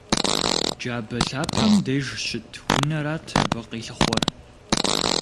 Джабэ лъапэм деж щыт унэрат абы къилъыхъуэр.